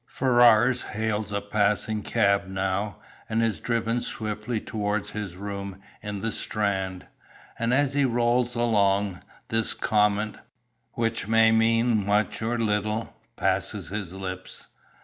Ferrars hails a passing cab now, and is driven swiftly towards his room in the Strand, and as he rolls along, this comment, which may mean much or little, passes his lips.